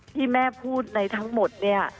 ที่แม่พูดในทั้งหมดเนี่ย